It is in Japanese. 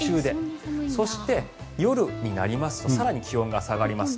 そして夜になりますと更に気温が下がります。